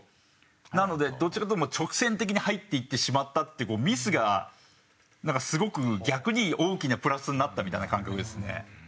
なのでどちらかというと直線的に入っていってしまったっていうミスがすごく逆に大きなプラスになったみたいな感覚ですね。